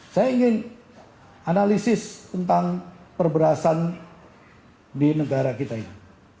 saya ingin analisis tentang perberasan di negara kita ini